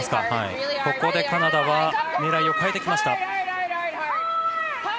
ここでカナダは狙いを変えてきました。